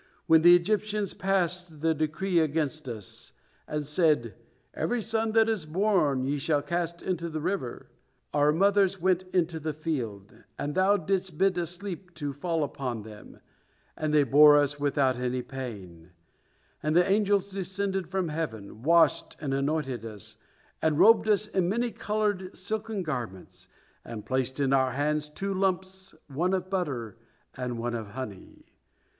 When the Egyptians passed the decree against us, and said, 'Every son that is born ye shall cast into the river,' our mothers went into the field, and Thou didst bid a sleep to fall upon them, and they bore us without any pain; and the angels descended from Heaven, washed and anointed us, and robed us in many colored silken garments, and placed in our hands two lumps, one of butter and one of honey.